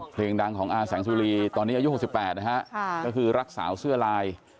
เพลงดังของอาแสงสุรีตอนนี้อายุ๖๘นะฮะก็คือรักษาเสื้อลาย